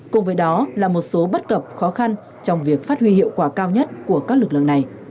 cùng với đó là một số bất cập khó khăn trong việc phát huy hiệu quả cao nhất của các lực lượng này